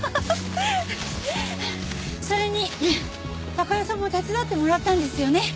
それに貴代さんも手伝ってもらったんですよね？